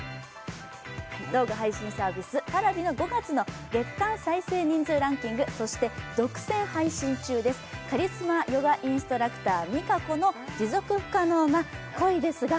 動画配信サービス・Ｐａｒａｖｉの５月の月間再生人数ランキング、そして独占配信中の「カリスマヨガインストラクターＭＩＫＡＫＯの持続可能な恋ですが」